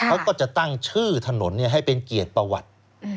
เขาก็จะตั้งชื่อถนนให้เป็นเกียรติประวัติ